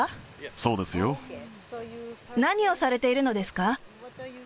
そうですよ。何をされているのですか。